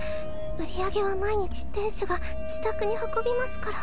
売り上げは毎日店主が自宅に運びますから。